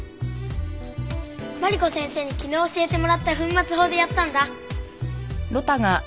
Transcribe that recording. マリコ先生に昨日教えてもらった粉末法でやったんだ。